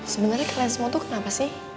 sebenarnya kalian semua tuh kenapa sih